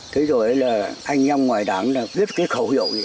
thế rồi là anh nhau ngoài đảng viết cái khẩu hiệu